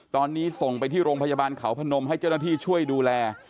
ตอนนี้ส่งไปที่โรงพยาบาลเขาพนมให้เจ้าหน้าที่ช่วยดูแล